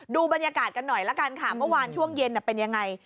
ดูบรรยากาศกันหน่อยละกันค่ะเมื่อวานช่วงเย็นเป็นยังไง